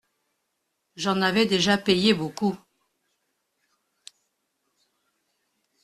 J'en avais déjà payé beaucoup.